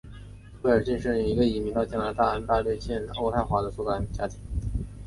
威尔逊生于一个移民到加拿大安大略省渥太华的苏格兰家庭。